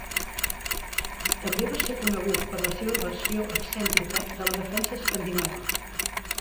També va ser conegut per la seva versió excèntrica de la defensa escandinava.